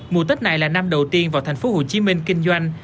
mùa tết này là năm đầu tiên vào thành phố hồ chí minh kinh doanh